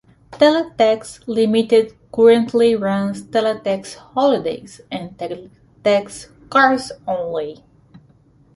Teletext Limited currently runs Teletext Holidays and Teletext Cars only.